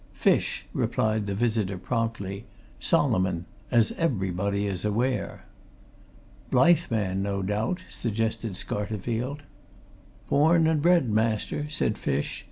"Fish," replied the visitor, promptly. "Solomon. As everybody is aware." "Blyth man, no doubt," suggested Scarterfield. "Born and bred, master," said Fish.